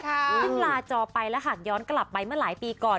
พึ่งลาจอไปและหักย้อนกลับไปมาหลายปีก่อน